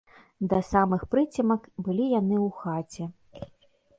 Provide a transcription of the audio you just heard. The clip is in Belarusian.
Да самых прыцемак былі яны ў хаце.